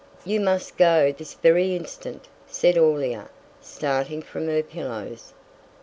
"You must go this very instant," said Aurelia; starting from her pillows.